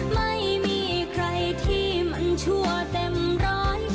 ไม่มีใครที่มันชั่วเต็มร้อย